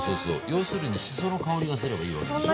要するにしその香りがすればいいわけでしょ。